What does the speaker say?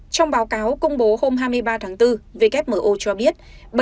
trong báo cáo công bố hôm hai mươi ba tháng bốn wmo cho biết